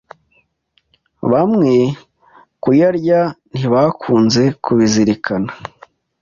Bamwe kuyarya ntibakunze kubizirikana